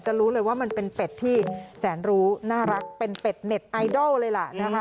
รู้เลยว่ามันเป็นเป็ดที่แสนรู้น่ารักเป็นเป็ดเน็ตไอดอลเลยล่ะนะคะ